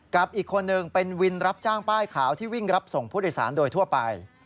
กับอีกคนหนึ่งเป็นวินรับจ้างป้ายขาวที่วิ่งรับส่งผู้โดยสารโดยทั่วไป